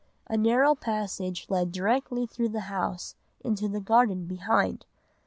A narrow passage led directly through the house into the garden behind.